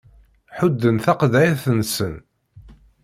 Ḥudden taqeḍɛit-nsen.